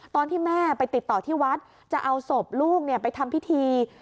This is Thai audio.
ตอนที่แม่ไปติดต่อที่วัดจะเอาศพลูกไปทำพิธี